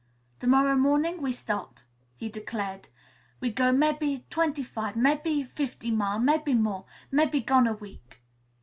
"To morrow morning we start," he declared. "We go mebbe twenty five, mebbe fifty mile, mebbe more. Mebbe gone a week."